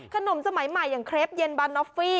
สมัยใหม่อย่างเครปเย็นบานอฟฟี่